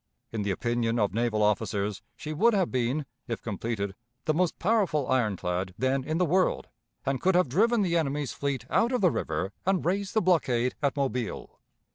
In the opinion of naval officers she would have been, if completed, the most powerful ironclad then in the world, and could have driven the enemy's fleet out of the river and raised the blockade at Mobile.